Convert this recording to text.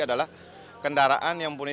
adalah kendaraan yang mempunyai